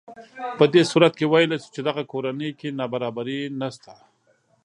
په دې صورت کې ویلی شو چې دغه کورنۍ کې نابرابري نهشته